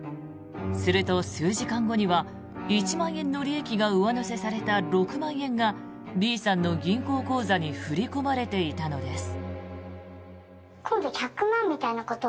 すると、数時間後には１万円の利益が上乗せされた６万円がＢさんの銀行口座に振り込まれていたのです。